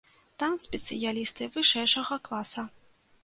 Там спецыялісты вышэйшага класа.